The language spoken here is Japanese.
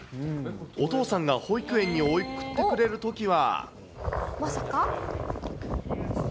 お父さんが保育園に送ってくれるときは。